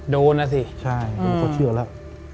ดูนะสิใช่เขาเชื่อแล้ว